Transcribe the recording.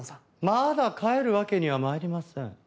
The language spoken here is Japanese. まだ帰るわけには参りません。